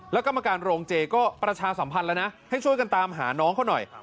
แล้วกรรมการโรงเจก็ประชาสัมพันธ์แล้วนะให้ช่วยกันตามหาน้องเขาหน่อย